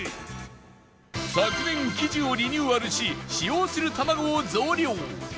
昨年生地をリニューアルし使用する卵を増量